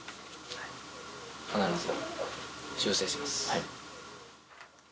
はい。